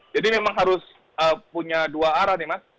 jadi memang harus punya dua arah nih mas